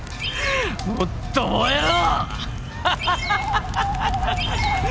もっと燃えろ！